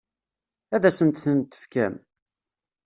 Ad asen-tent-tefkem?